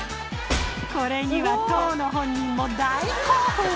これには当の本人も大興奮！